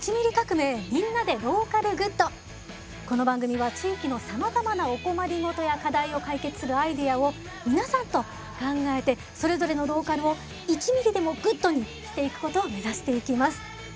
この番組は地域のさまざまなお困り事や課題を解決するアイデアを皆さんと考えてそれぞれのローカルを１ミリでもグッドにしていくことを目指していきます。